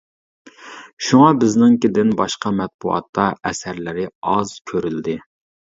شۇڭا بىزنىڭكىدىن باشقا مەتبۇئاتتا ئەسەرلىرى ئاز كۆرۈلدى.